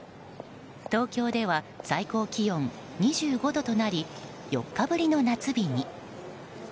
東京では、最高気温２５度となり４日ぶりの夏日に。